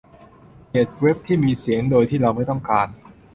เกลียดเว็บที่มีเสียงโดยที่เราไม่ต้องการ